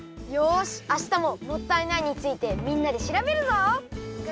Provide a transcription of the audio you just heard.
よしあしたも「もったいない」についてみんなでしらべるぞ！